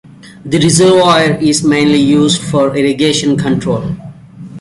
The reservoir is mainly used for irrigation control.